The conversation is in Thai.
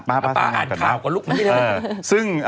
เดี๋ยวป๊าอ่านข่าวก็ลุกนิดนึง